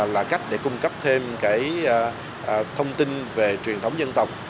là cách để cung cấp thêm thông tin về truyền thống dân tộc